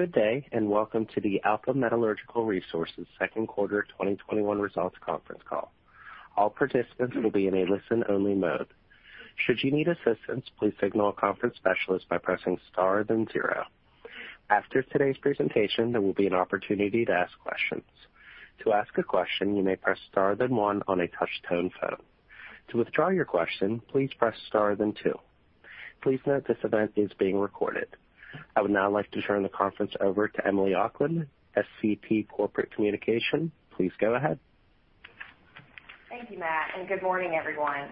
Good day. Welcome to the Alpha Metallurgical Resources second quarter 2021 results conference call. All participants will be in a listen-only mode. Should you need assistance, please signal a conference specialist by pressing star then zero. After today's presentaion there will be an opportunity to ask questions. To ask a question, you may press star then one on your touch-tone phone. To withdraw your question, please press star then two. Please note this event is being recorded. I would now like to turn the conference over to Emily O'Quinn, SVP, Corporate Communications. Please go ahead. Thank you, Matt, and good morning, everyone.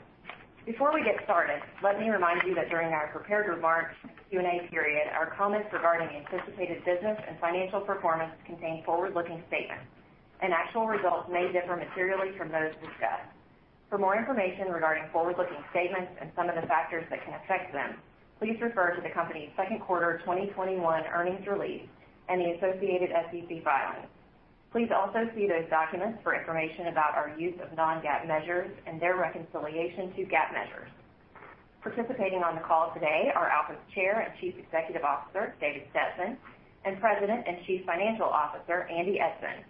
Before we get started, let me remind you that during our prepared remarks Q&A period, our comments regarding anticipated business and financial performance contain forward-looking statements, and actual results may differ materially from those discussed. For more information regarding forward-looking statements and some of the factors that can affect them, please refer to the company's second quarter 2021 earnings release and the associated SEC filings. Please also see those documents for information about our use of non-GAAP measures and their reconciliation to GAAP measures. Participating on the call today are Alpha's Chair and Chief Executive Officer, David Stetson, and President and Chief Financial Officer, Andy Eidson.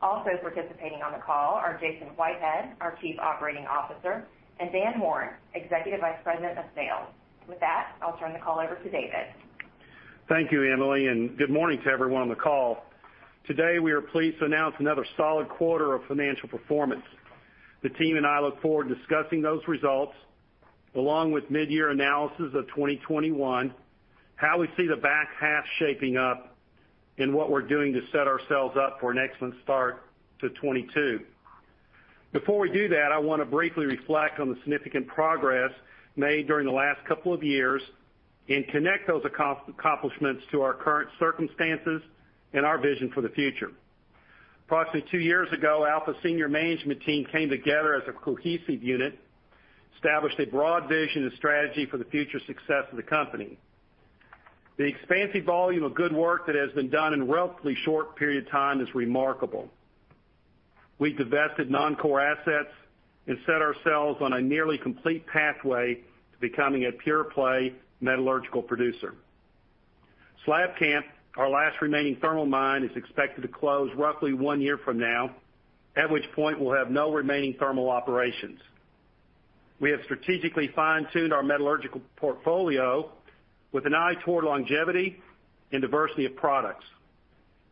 Also participating on the call are Jason Whitehead, our Chief Operating Officer, and Dan Horn, Executive Vice President of Sales. With that, I'll turn the call over to David. Thank you, Emily. Good morning to everyone on the call. Today, we are pleased to announce another solid quarter of financial performance. The team and I look forward to discussing those results, along with mid-year analysis of 2021, how we see the back half shaping up, and what we're doing to set ourselves up for an excellent start to 2022. Before we do that, I want to briefly reflect on the significant progress made during the last couple of years and connect those accomplishments to our current circumstances and our vision for the future. Approximately two years ago, Alpha senior management team came together as a cohesive unit, established a broad vision and strategy for the future success of the company. The expansive volume of good work that has been done in a relatively short period of time is remarkable. We divested non-core assets and set ourselves on a nearly complete pathway to becoming a pure-play metallurgical producer. Slabcamp, our last remaining thermal mine, is expected to close roughly one year from now, at which point we'll have no remaining thermal operations. We have strategically fine-tuned our metallurgical portfolio with an eye toward longevity and diversity of products,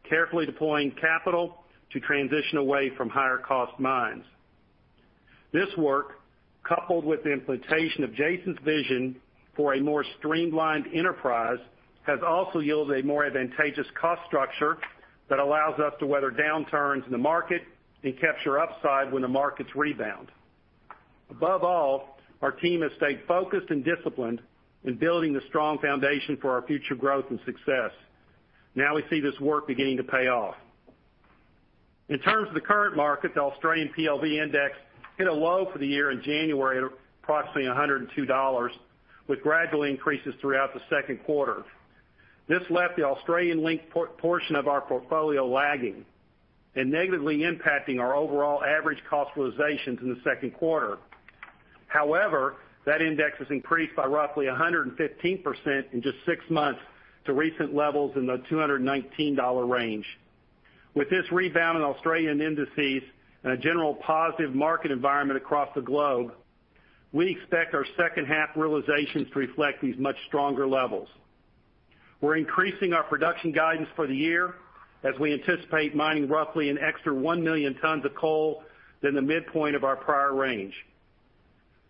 carefully deploying capital to transition away from higher-cost mines. This work, coupled with the implementation of Jason's vision for a more streamlined enterprise, has also yielded a more advantageous cost structure that allows us to weather downturns in the market and capture upside when the markets rebound. Above all, our team has stayed focused and disciplined in building the strong foundation for our future growth and success. Now, we see this work beginning to pay off. In terms of the current market, the Australian PLV index hit a low for the year in January at approximately $102, with gradual increases throughout the second quarter. This left the Australian-linked portion of our portfolio lagging and negatively impacting our overall average cost realizations in the second quarter. However, that index has increased by roughly 115% in just six months to recent levels in the $219 range. With this rebound in Australian indices and a general positive market environment across the globe, we expect our second half realizations to reflect these much stronger levels. We're increasing our production guidance for the year as we anticipate mining roughly an extra 1,000,000 tons of coal than the midpoint of our prior range.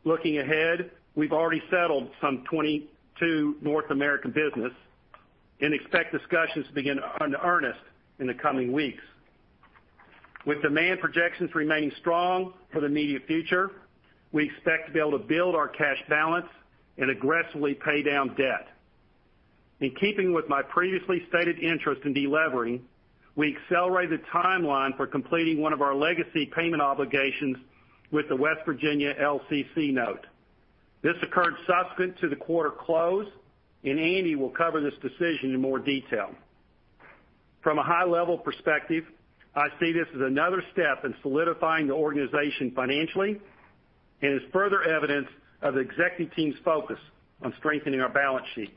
Looking ahead, we've already settled some 2022 North American business and expect discussions to begin in earnest in the coming weeks. With demand projections remaining strong for the immediate future, we expect to be able to build our cash balance and aggressively pay down debt. In keeping with my previously stated interest in de-levering, we accelerated the timeline for completing one of our legacy payment obligations with the West Virginia LCC note. This occurred subsequent to the quarter close. Andy will cover this decision in more detail. From a high-level perspective, I see this as another step in solidifying the organization financially and as further evidence of the executive team's focus on strengthening our balance sheet.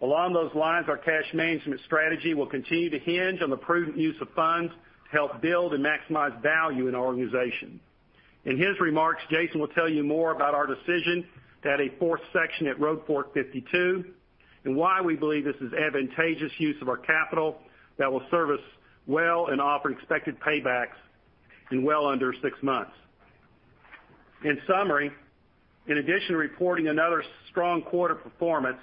Along those lines, our cash management strategy will continue to hinge on the prudent use of funds to help build and maximize value in our organization. In his remarks, Jason will tell you more about our decision to add a fourth section at Road Fork 52 and why we believe this is advantageous use of our capital that will serve us well and offer expected paybacks in well under six months. In summary, in addition to reporting another strong quarter performance,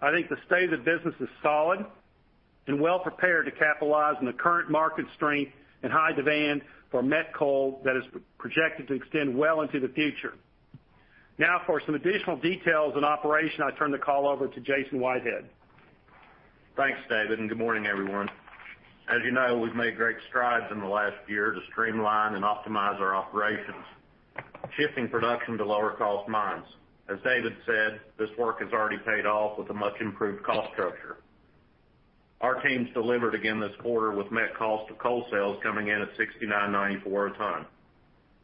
I think the state of the business is solid and well prepared to capitalize on the current market strength and high demand for Met coal that is projected to extend well into the future. Now, for some additional details on operation, I turn the call over to Jason Whitehead. Thanks, David. Good morning, everyone. As you know, we've made great strides in the last year to streamline and optimize our operations, shifting production to lower-cost mines. As David said, this work has already paid off with a much-improved cost structure. Our teams delivered again this quarter with Met cost of coal sales coming in at $69.94/ton,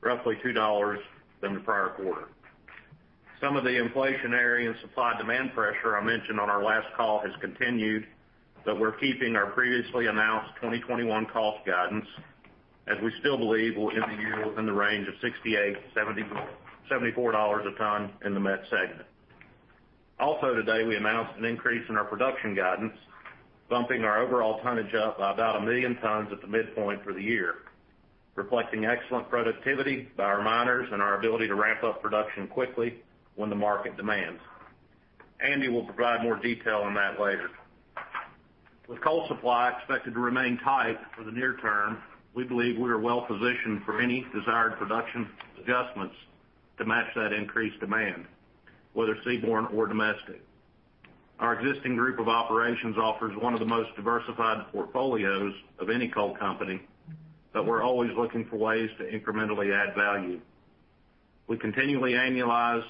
roughly $2 than the prior quarter. Some of the inflationary and supply-demand pressure I mentioned on our last call has continued, but we're keeping our previously announced 2021 cost guidance, as we still believe we'll end the year within the range of $68-$74/ton in the Met segment. Also today, we announced an increase in our production guidance, bumping our overall tonnage up by about 1,000,000 tons at the midpoint for the year, reflecting excellent productivity by our miners and our ability to ramp up production quickly when the market demands. Andy will provide more detail on that later. With coal supply expected to remain tight for the near term, we believe we are well positioned for any desired production adjustments to match that increased demand, whether seaborne or domestic. Our existing group of operations offers one of the most diversified portfolios of any coal company, but we're always looking for ways to incrementally add value. We continually analyze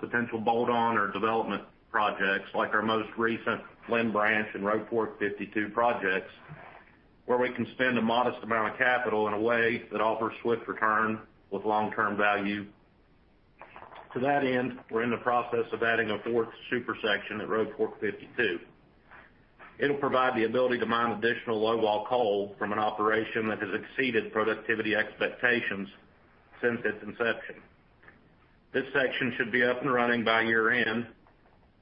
potential bolt-on or development projects like our most recent Lynn Branch and Road Fork 52 projects, where we can spend a modest amount of capital in a way that offers swift return with long-term value. To that end, we're in the process of adding a fourth super section at Road Fork 52. It'll provide the ability to mine additional low wall coal from an operation that has exceeded productivity expectations since its inception. This section should be up and running by year-end,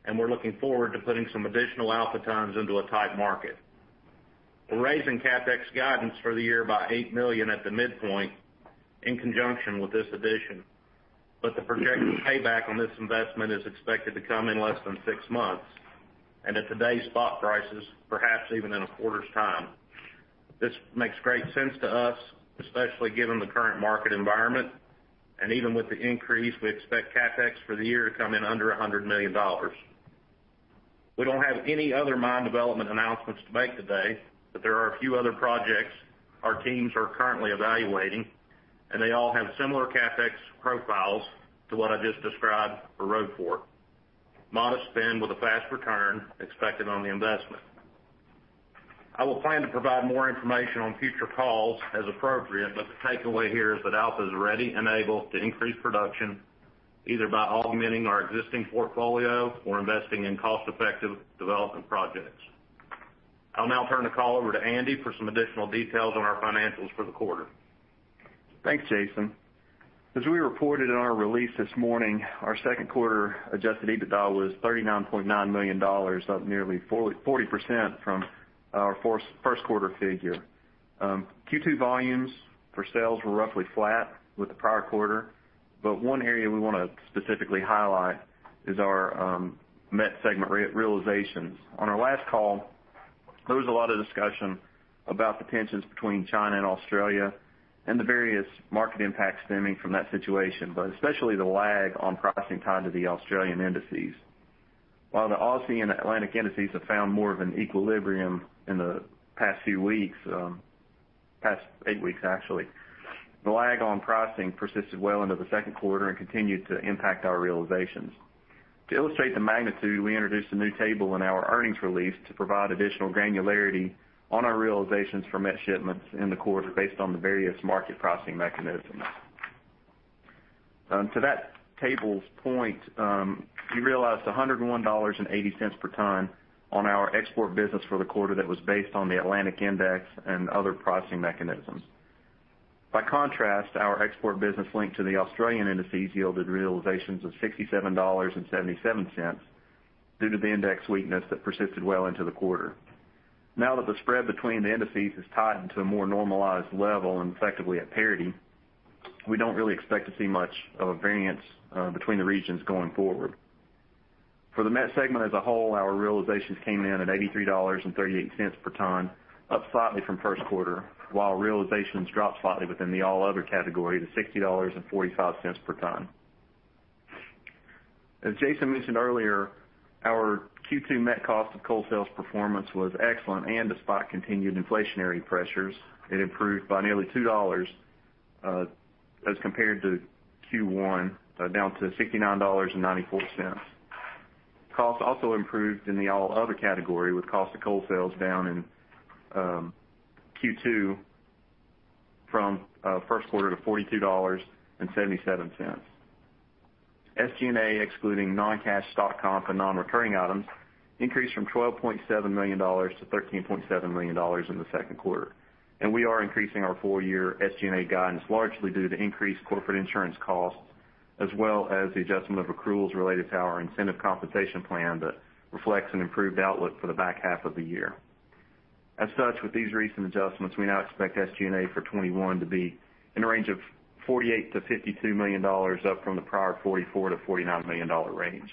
and we're looking forward to putting some additional Alpha tons into a tight market. We're raising CapEx guidance for the year by $8 million at the midpoint in conjunction with this addition. The projected payback on this investment is expected to come in less than six months, and at today's spot prices, perhaps even in a quarter's time. This makes great sense to us, especially given the current market environment, and even with the increase, we expect CapEx for the year to come in under $100 million. We don't have any other mine development announcements to make today, but there are a few other projects our teams are currently evaluating, and they all have similar CapEx profiles to what I just described for Road Fork. Modest spend with a fast return expected on the investment. I will plan to provide more information on future calls as appropriate, but the takeaway here is that Alpha is ready and able to increase production either by augmenting our existing portfolio or investing in cost-effective development projects. I'll now turn the call over to Andy for some additional details on our financials for the quarter. Thanks, Jason. As we reported in our release this morning, our second quarter adjusted EBITDA was $39.9 million, up nearly 40% from our first quarter figure. Q2 volumes for sales were roughly flat with the prior quarter. One area we want to specifically highlight is our Met segment realizations. On our last call, there was a lot of discussion about the tensions between China and Australia and the various market impacts stemming from that situation, but especially the lag on pricing tied to the Australian indices. While the Aussie and Atlantic indices have found more of an equilibrium in the past few weeks, past eight weeks actually, the lag on pricing persisted well into the second quarter and continued to impact our realizations. To illustrate the magnitude, we introduced a new table in our earnings release to provide additional granularity on our realizations for Met shipments in the quarter based on the various market pricing mechanisms. To that table's point, we realized $101.80/ton on our export business for the quarter that was based on the Atlantic index and other pricing mechanisms. By contrast, our export business linked to the Australian indices yielded realizations of $67.77 due to the index weakness that persisted well into the quarter. Now that the spread between the indices has tightened to a more normalized level and effectively at parity, we don't really expect to see much of a variance between the regions going forward. For the Met segment as a whole, our realizations came in at $83.38/ton, up slightly from first quarter, while realizations dropped slightly within the all other category to $60.45/ton. As Jason mentioned earlier, our Q2 Met cost of coal sales performance was excellent despite continued inflationary pressures. It improved by nearly $2 as compared to Q1, down to $69.94. Costs also improved in the all other category, with cost of coal sales down in Q2 from first quarter to $42.77. SG&A, excluding non-cash stock comp and non-recurring items, increased from $12.7 million to $13.7 million in the second quarter. We are increasing our full-year SG&A guidance largely due to increased corporate insurance costs as well as the adjustment of accruals related to our incentive compensation plan that reflects an improved outlook for the back half of the year. As such, with these recent adjustments, we now expect SG&A for 2021 to be in the range of $48 million-$52 million, up from the prior $44 million-$49 million range.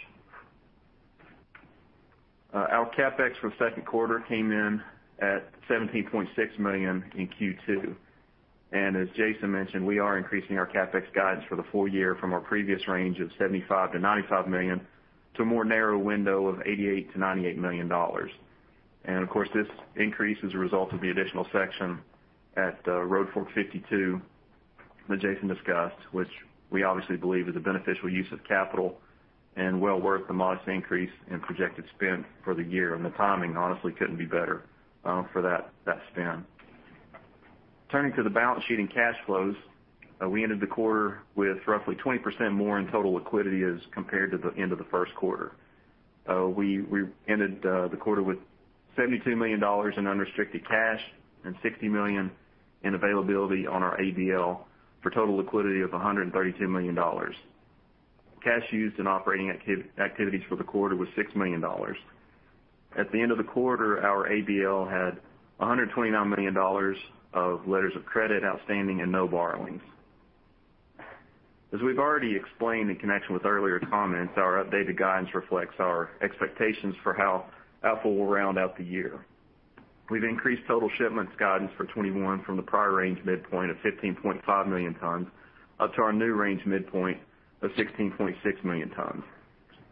Our CapEx for second quarter came in at $17.6 million in Q2. As Jason mentioned, we are increasing our CapEx guidance for the full year from our previous range of $75 million-$95 million to a more narrow window of $88 million-$98 million. Of course, this increase is a result of the additional section at Road Fork 52 that Jason discussed, which we obviously believe is a beneficial use of capital and well worth the modest increase in projected spend for the year. The timing, honestly, couldn't be better for that spend. Turning to the balance sheet and cash flows, we ended the quarter with roughly 20% more in total liquidity as compared to the end of the first quarter. We ended the quarter with $72 million in unrestricted cash and $60 million in availability on our ABL for total liquidity of $132 million. Cash used in operating activities for the quarter was $6 million. At the end of the quarter, our ABL had $129 million of letters of credit outstanding and no borrowings. As we've already explained in connection with earlier comments, our updated guidance reflects our expectations for how Alpha will round out the year. We've increased total shipments guidance for 2021 from the prior range midpoint of 15.5 million tons up to our new range midpoint of 16.6 million tons.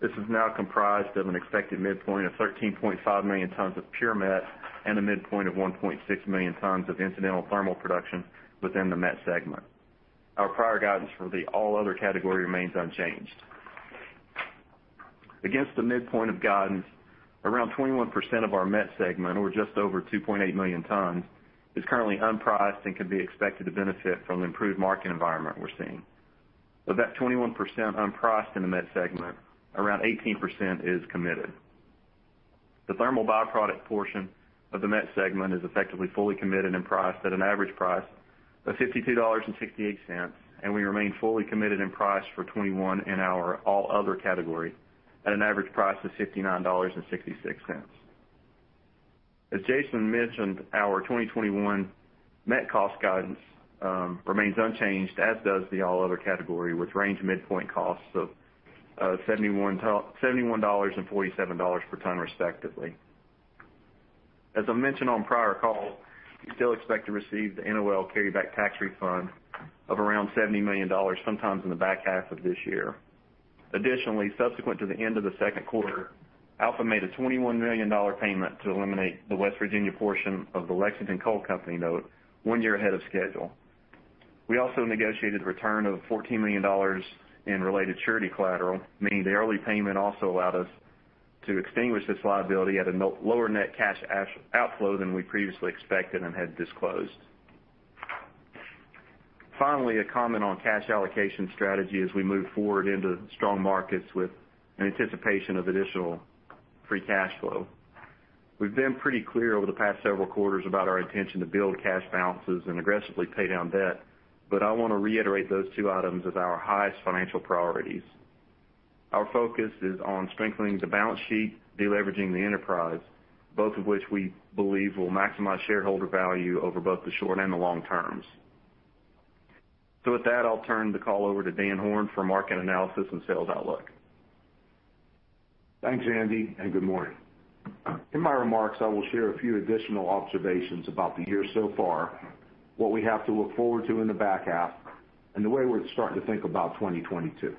This is now comprised of an expected midpoint of 13.5 million tons of pure met and a midpoint of 1.6 million tons of incidental thermal production within the Met segment. Our prior guidance for the all other category remains unchanged. Against the midpoint of guidance, around 21% of our Met segment, or just over 2.8 million tons, is currently unpriced and can be expected to benefit from the improved market environment we're seeing. Of that 21% unpriced in the Met segment, around 18% is committed. The thermal byproduct portion of the met segment is effectively fully committed and priced at an average price of $52.68, and we remain fully committed and priced for 2021 in our all other category at an average price of $59.66. As Jason mentioned, our 2021 met cost guidance remains unchanged, as does the all other category, with range midpoint costs of $71/ton and $47/ton, respectively. As I mentioned on prior calls, we still expect to receive the NOL carryback tax refund of around $70 million sometime in the back half of this year. Additionally, subsequent to the end of the second quarter, Alpha made a $21 million payment to eliminate the West Virginia portion of the Lexington Coal Company note one year ahead of schedule. We also negotiated the return of $14 million in related surety collateral, meaning the early payment also allowed us to extinguish this liability at a lower net cash outflow than we previously expected and had disclosed. Finally, a comment on cash allocation strategy as we move forward into strong markets with an anticipation of additional free cash flow. We've been pretty clear over the past several quarters about our intention to build cash balances and aggressively pay down debt, but I want to reiterate those two items as our highest financial priorities. Our focus is on strengthening the balance sheet, deleveraging the enterprise, both of which we believe will maximize shareholder value over both the short and the long terms. With that, I'll turn the call over to Dan Horn for market analysis and sales outlook. Thanks, Andy, and good morning. In my remarks, I will share a few additional observations about the year so far, what we have to look forward to in the back half, and the way we're starting to think about 2022.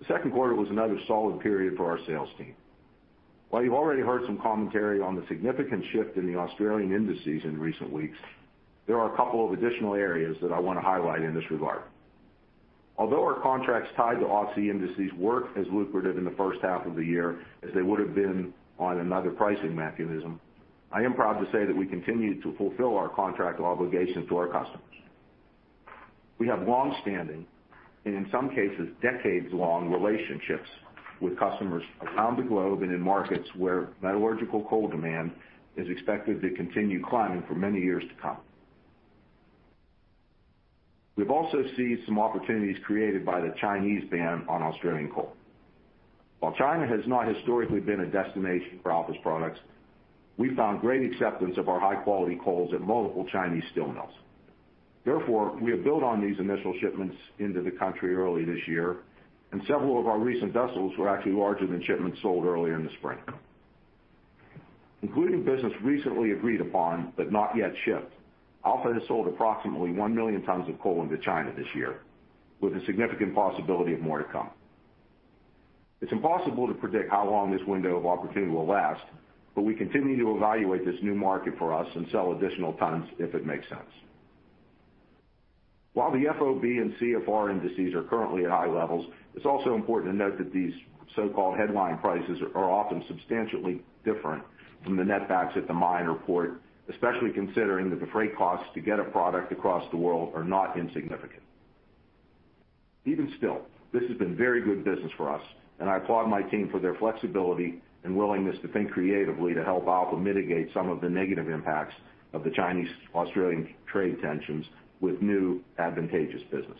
The second quarter was another solid period for our sales team. While you've already heard some commentary on the significant shift in the Australian indices in recent weeks, there are a couple of additional areas that I want to highlight in this regard. Although, our contracts tied to Aussie indices weren't as lucrative in the first half of the year as they would have been on another pricing mechanism, I am proud to say that we continue to fulfill our contract obligations to our customers. We have longstanding, and in some cases, decades-long relationships with customers around the globe and in markets where metallurgical coal demand is expected to continue climbing for many years to come. We've also seized some opportunities created by the Chinese ban on Australian coal. While China has not historically been a destination for Alpha's products, we found great acceptance of our high-quality coals at multiple Chinese steel mills. Therefore, we have built on these initial shipments into the country early this year, and several of our recent vessels were actually larger than shipments sold earlier in the spring. Including business recently agreed upon, but not yet shipped, Alpha has sold approximately 1,000,000 tons of coal into China this year, with a significant possibility of more to come. It's impossible to predict how long this window of opportunity will last, but we continue to evaluate this new market for us and sell additional tons if it makes sense. While the FOB and CFR indices are currently at high levels, it's also important to note that these so-called headline prices are often substantially different from the net backs at the mine or port, especially considering that the freight costs to get a product across the world are not insignificant. Even still, this has been very good business for us, and I applaud my team for their flexibility and willingness to think creatively to help Alpha mitigate some of the negative impacts of the Chinese-Australian trade tensions with new advantageous business.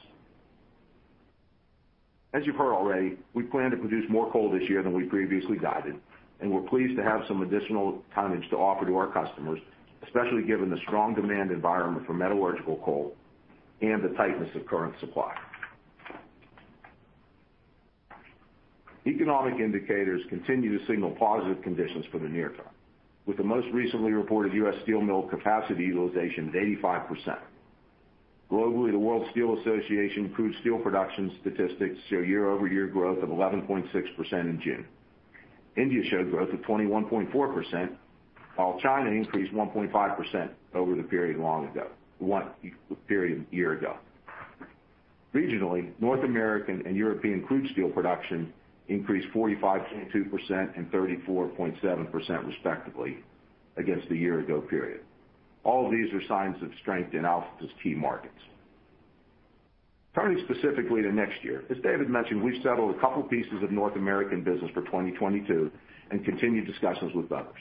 As you've heard already, we plan to produce more coal this year than we previously guided, and we're pleased to have some additional tonnage to offer to our customers, especially given the strong demand environment for metallurgical coal and the tightness of current supply. Economic indicators continue to signal positive conditions for the near term, with the most recently reported U.S. steel mill capacity utilization at 85%. Globally, the World Steel Association's improved steel production statistics show year-over-year growth of 11.6% in June. India showed growth of 21.4%, while China increased 1.5% over the period a year ago. Regionally, North American and European crude steel production increased 45.2% and 34.7%, respectively, against the year-ago period. All of these are signs of strength in Alpha's key markets. Turning specifically to next year, as David mentioned, we've settled a couple pieces of North American business for 2022 and continue discussions with others.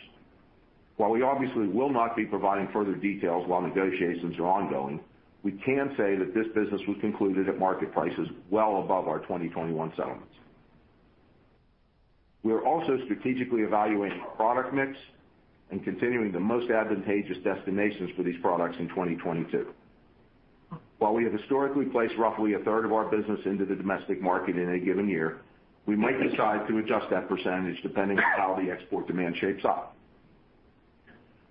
While we obviously will not be providing further details while negotiations are ongoing, we can say that this business was concluded at market prices well above our 2021 settlements. We are also strategically evaluating our product mix and continuing the most advantageous destinations for these products in 2022. While we have historically placed roughly a third of our business into the domestic market in a given year, we might decide to adjust that percentage depending on how the export demand shapes up.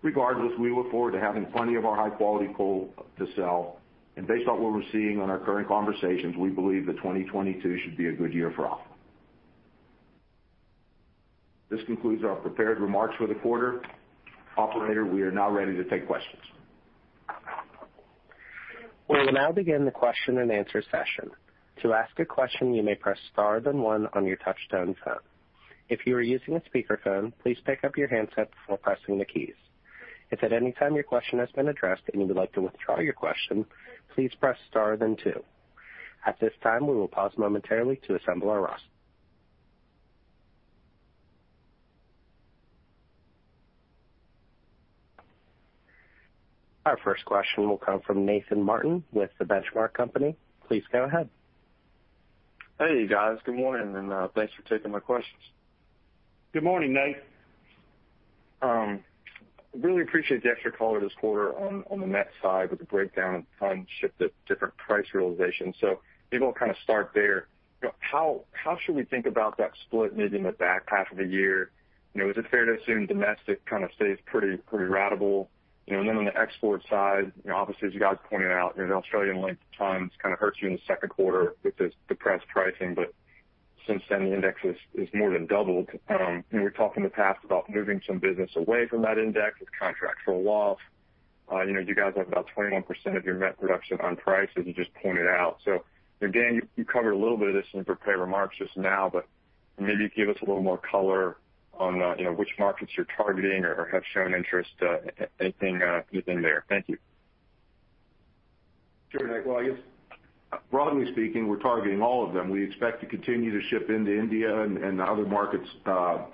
Regardless, we look forward to having plenty of our high-quality coal to sell, and based on what we're seeing on our current conversations, we believe that 2022 should be a good year for Alpha. This concludes our prepared remarks for the quarter. Operator, we are now ready to take questions. We will now begin the question-and-answer session. To ask a question, you may press star, then one on your touch-tone phone. If you are using a speakerphone, please pick up your handset before pressing the keys. If at any time your question has been addressed and you would like to withdraw your question, please press star, then two. At this time, we will pause momentarily to assemble our roster. Our first question will come from Nathan Martin with The Benchmark Company. Please go ahead. Hey, guys. Good morning, and thanks for taking my questions. Good morning, Nate. Really appreciate the extra color this quarter on the net side with the breakdown of tons shipped at different price realizations. Maybe I'll start there. How should we think about that split, maybe in the back half of the year? Is it fair to assume domestic stays pretty routable? Then on the export side, obviously, as you guys pointed out, the Australian PLV index kind of hurts you in the second quarter with this depressed pricing. Since then, the index has more than doubled. You were talking in the past about moving some business away from that index with contractual walls. You guys have about 21% of your net production on price, as you just pointed out. Again, you covered a little bit of this in your prepared remarks just now. Maybe give us a little more color on which markets you're targeting or have shown interest. Anything within there. Thank you. Sure, Nate. Well, I guess broadly speaking, we're targeting all of them. We expect to continue to ship into India and other markets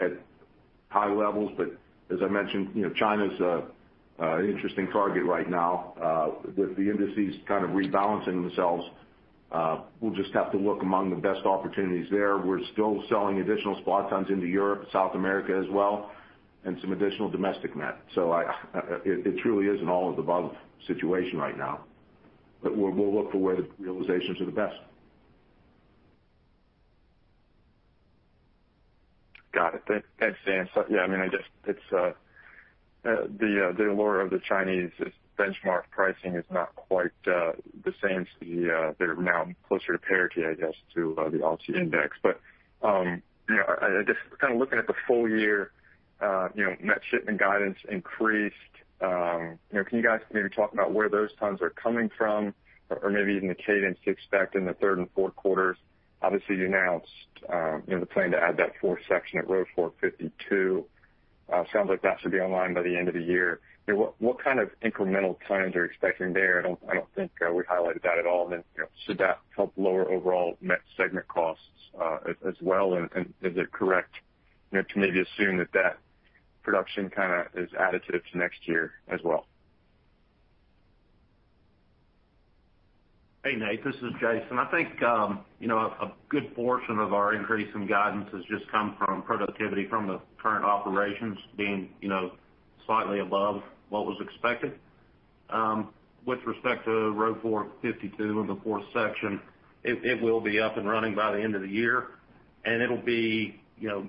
at high levels. As I mentioned, China's an interesting target right now with the indices kind of rebalancing themselves. We'll just have to look among the best opportunities there. We're still selling additional spot tons into Europe, South America as well, and some additional domestic net. It truly is an all of the above situation right now. We'll look for where the realizations are the best. Got it. Thanks, Dan. Yeah, I guess it's the allure of the Chinese benchmark pricing is not quite the same. They're now closer to parity, I guess, to the Aussie index. Just kind of looking at the full year, net shipment guidance increased. Can you guys maybe talk about where those tons are coming from or maybe even the cadence to expect in the third and fourth quarters? Obviously, you announced the plan to add that fourth section at Road Fork 52. Sounds like that should be online by the end of the year. What kind of incremental tons are you expecting there? I don't think we highlighted that at all. Then should that help lower overall Met segment costs as well? Is it correct to maybe assume that production kind of is additive to next year as well? Hey, Nate, this is Jason. I think a good portion of our increase in guidance has just come from productivity from the current operations being slightly above what was expected. With respect to Road Fork 52 and the fourth section, it will be up and running by the end of the year, and it'll be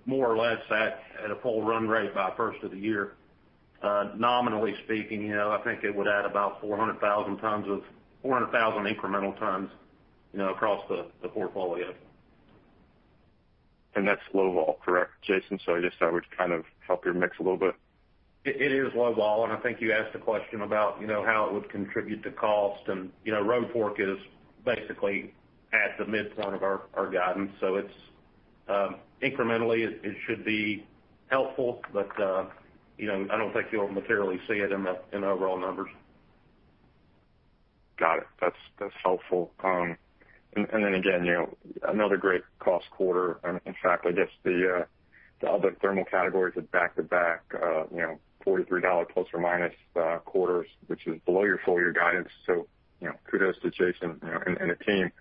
more or less at a full run rate by first of the year. Nominally speaking, I think it would add about 400,000 incremental tons across the portfolio. That's low vol, correct, Jason? I guess that would kind of help your mix a little bit? I think you asked a question about how it would contribute to cost. Road Fork is basically at the midpoint of our guidance. Incrementally, it should be helpful, but I don't think you'll materially see it in the overall numbers. Got it. That's helpful. Again, another great cost quarter. In fact, I guess the other thermal categories had back-to-back $43± quarters, which is below your full-year guidance. Kudos to Jason and the team.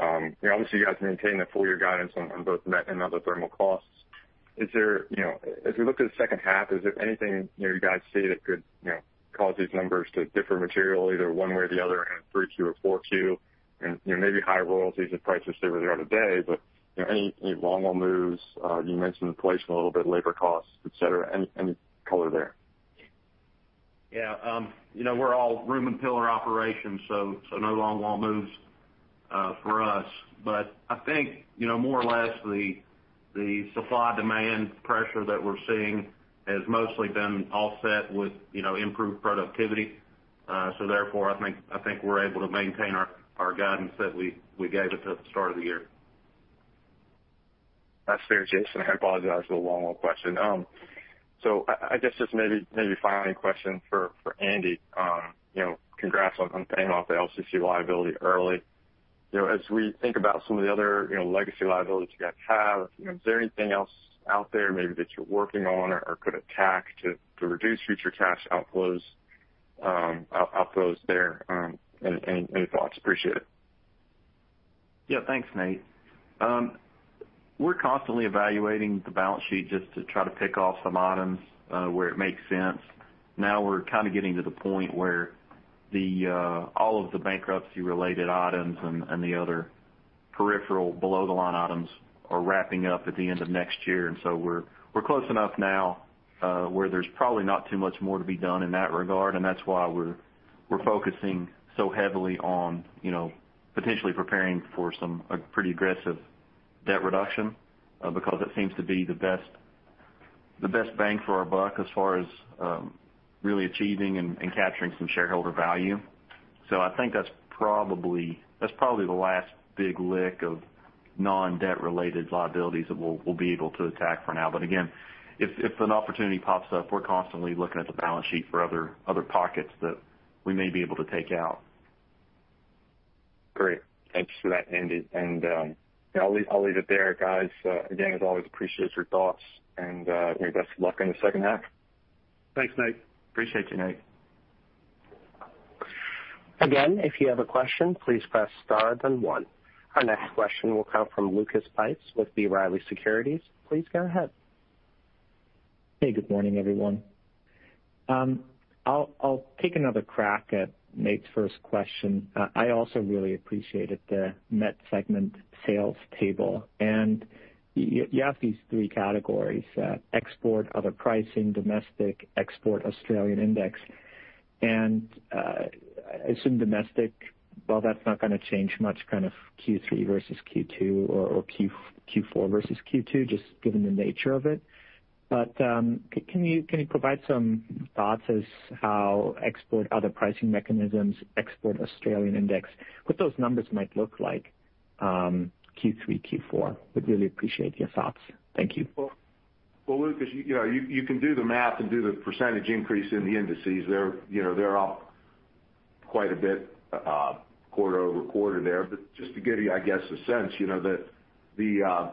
Obviously, you guys maintained the full-year guidance on both net and other thermal costs. As we look to the second half, is there anything you guys see that could cause these numbers to differ materially either one way or the other in 3Q or 4Q? Maybe high royalties if prices stay where they are today, but any longwall moves? You mentioned inflation a little bit, labor costs, et cetera. Any color there? Yeah. We're all room and pillar operations, so no longwall moves for us. I think, more or less, the supply-demand pressure that we're seeing has mostly been offset with improved productivity. Therefore, I think we're able to maintain our guidance that we gave at the start of the year. That's fair, Jason. I apologize for the longwall question. I guess just maybe a final question for Andy. Congrats on paying off the LCC liability early. As we think about some of the other legacy liabilities you guys have, is there anything else out there, maybe that you're working on or could attack to reduce future cash outflows there? Any thoughts? Appreciate it. Yeah. Thanks, Nate. We're constantly evaluating the balance sheet just to try to pick off some items where it makes sense. Now we're kind of getting to the point where all of the bankruptcy-related items and the other peripheral below-the-line items are wrapping up at the end of next year. We're close enough now where there's probably not too much more to be done in that regard, and that's why we're focusing so heavily on potentially preparing for a pretty aggressive debt reduction, because it seems to be the best bang for our buck as far as really achieving and capturing some shareholder value. I think that's probably the last big lick of non-debt-related liabilities that we'll be able to attack for now. Again, if an opportunity pops up, we're constantly looking at the balance sheet for other pockets that we may be able to take out. Great. Thanks for that, Andy. I'll leave it there, guys. Again, as always, appreciate your thoughts and your best luck in the second half. Thanks, Nate. Appreciate you, Nate. Again, if you have a question, please press star then one. Our next question will come from Lucas Pipes with B. Riley Securities. Please go ahead. Hey, good morning, everyone. I'll take another crack at Nate's first question. I also really appreciated the Met segment sales table. You have these three categories: export, other pricing, domestic, export Australian index. I assume domestic, well, that's not going to change much, kind of Q3 versus Q2 or Q4 versus Q2, just given the nature of it. Can you provide some thoughts as how export other pricing mechanisms, export Australian index, what those numbers might look like Q3, Q4? Would really appreciate your thoughts. Thank you. Lucas, you can do the math and do the percentage increase in the indices. They're up quite a bit quarter-over-quarter there. Just to give you, I guess, a sense, the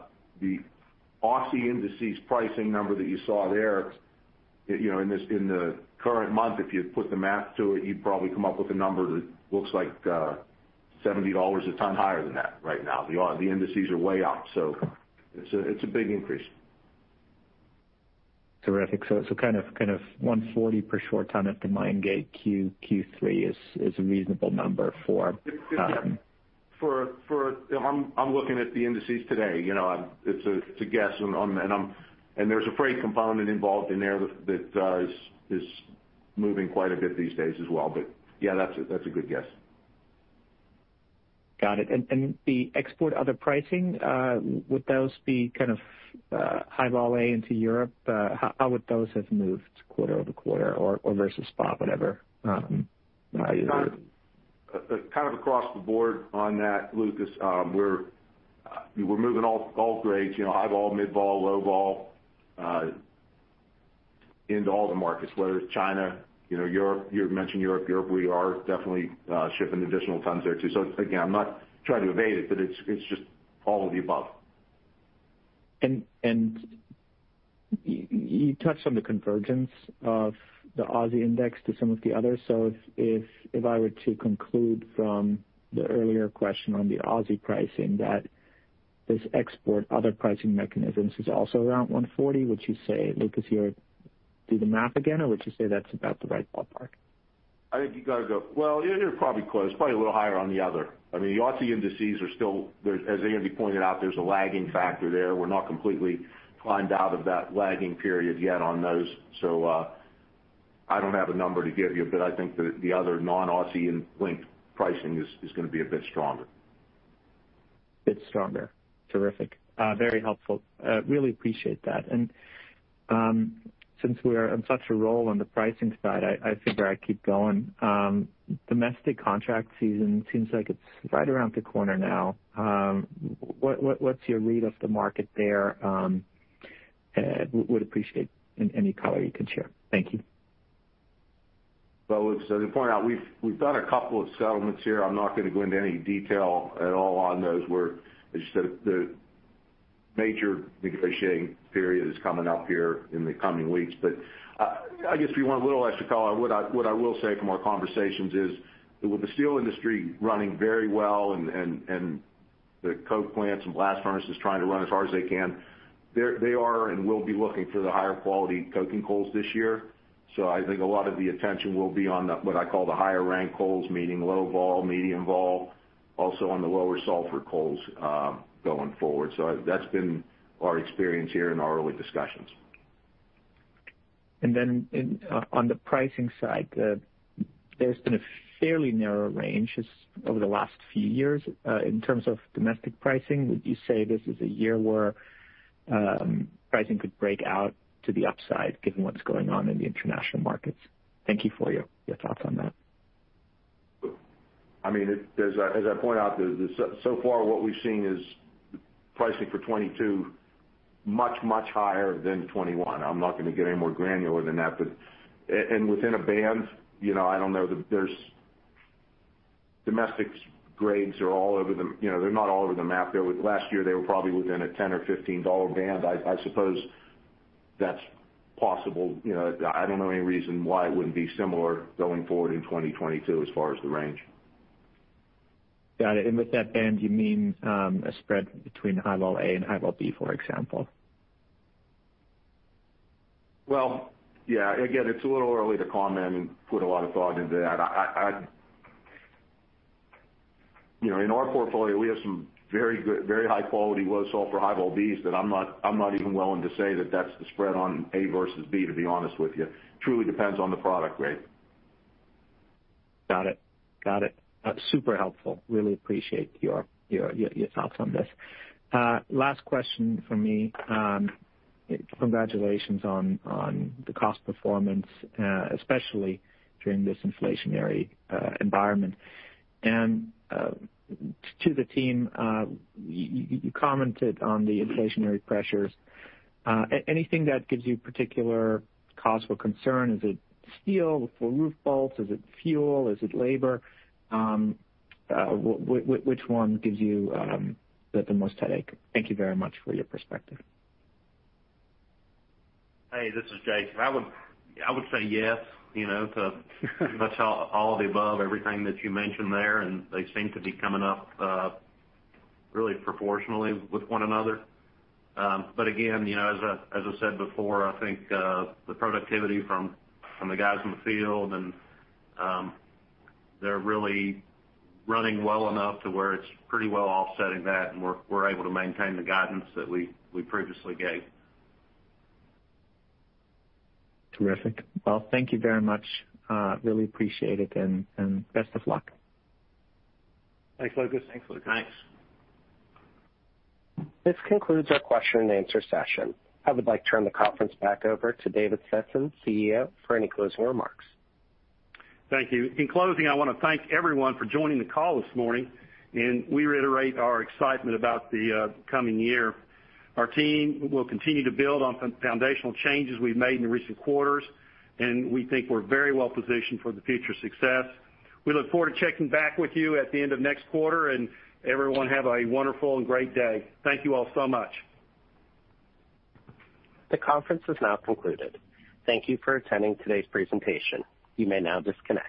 Australian indices pricing number that you saw there in the current month, if you put the math to it, you'd probably come up with a number that looks like $70/ton higher than that right now. The indices are way up so it's a big increase. Terrific. Kind of $140 per short ton at the mine gate Q3 is a reasonable number. I'm looking at the indices today. It's a guess, and there's a freight component involved in there that is moving quite a bit these days as well. Yeah, that's a good guess. Got it. The export other pricing, would those be kind of high vol A into Europe? How would those have moved quarter-over-quarter or versus spot, whatever? Kind of across the board on that, Lucas. We're moving all grades, high vol, mid vol, low vol, into all the markets, whether it's China, you mentioned Europe. Europe, we are definitely shipping additional tons there, too. Again, I'm not trying to evade it, but it's just all of the above. You touched on the convergence of the Aussie index to some of the others. If I were to conclude from the earlier question on the Aussie pricing that this export's other pricing mechanisms is also around $140, would you say, "Lucas, you would do the math again, or would you say that's about the right ballpark?" I think you got to go. Well, you're probably close. Probably a little higher on the other. I mean, the Australian indices are still, as Andy pointed out, there's a lagging factor there. We're not completely climbed out of that lagging period yet on those. I don't have a number to give you, but I think that the other non-Australian linked pricing is going to be a bit stronger. Bit stronger. Terrific. Very helpful. Really appreciate that. Since we're on such a roll on the pricing side, I figure I'd keep going. Domestic contract season seems like it's right around the corner now. What's your read of the market there? Would appreciate any color you can share. Thank you. Well, look, to point out, we've done a couple of settlements here. I'm not going to go into any detail at all on those. The major negotiating period is coming up here in the coming weeks. I guess if you want a little extra color, what I will say from our conversations is with the steel industry running very well and the coke plants and blast furnaces trying to run as hard as they can, they are and will be looking for the higher quality coking coals this year. I think a lot of the attention will be on what I call the higher rank coals, meaning low vol, medium vol, also on the lower sulfur coals going forward. That's been our experience here in our early discussions. On the pricing side, there's been a fairly narrow range over the last few years in terms of domestic pricing. Would you say this is a year where pricing could break out to the upside, given what's going on in the international markets? Thank you for your thoughts on that. As I point out, so far, what we've seen is pricing for 2022 much, much higher than 2021. I'm not going to get any more granular than that. Within a band, I don't know. Domestic grades are not all over the map. Last year, they were probably within a $10 or $15 band. I suppose that's possible. I don't know any reason why it wouldn't be similar going forward in 2022, as far as the range. Got it. With that band, you mean a spread between high vol A and high vol B, for example? Well, yeah. Again, it's a little early to comment and put a lot of thought into that. In our portfolio, we have some very high quality, low sulfur high vol Bs that I'm not even willing to say that that's the spread on A versus B, to be honest with you. Truly depends on the product grade. Got it. Super helpful. Really appreciate your thoughts on this. Last question from me. Congratulations on the cost performance, especially during this inflationary environment. To the team, you commented on the inflationary pressures. Anything that gives you particular cause for concern? Is it steel for roof bolts? Is it fuel? Is it labor? Which one gives you the most headache? Thank you very much for your perspective. Hey, this is Jason. I would say yes to pretty much all of the above, everything that you mentioned there, and they seem to be coming up really proportionally with one another. Again, as I said before, I think the productivity from the guys in the field they're really running well enough to where it's pretty well offsetting that, and we're able to maintain the guidance that we previously gave. Terrific. Well, thank you very much. Really appreciate it, and best of luck. Thanks, Lucas. Thanks, Lucas. Thanks. This concludes our question and answer session. I would like to turn the conference back over to David Stetson, CEO, for any closing remarks. Thank you. In closing, I want to thank everyone for joining the call this morning, and we reiterate our excitement about the coming year. Our team will continue to build on foundational changes we've made in the recent quarters, and we think we're very well positioned for the future success. We look forward to checking back with you at the end of next quarter, and everyone have a wonderful and great day. Thank you all so much. The conference is now concluded. Thank you for attending today's presentation. You may now disconnect.